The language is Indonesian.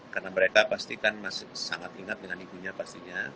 karena mereka pasti kan masih sangat ingat dengan ibunya pastinya